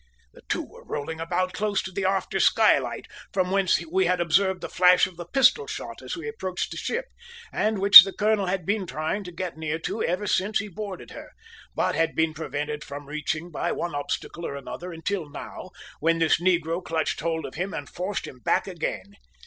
The two were rolling about close to the after skylight from whence we had observed the flash of the pistol shot as we approached the ship, and which the colonel had been trying to get near to ever since he boarded her, but had been prevented from reaching by one obstacle or another until now, when this negro clutched hold of him and forced him back again.